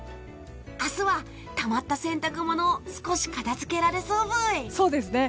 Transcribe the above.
明日はたまった洗濯物を少し片づけられそうブイ！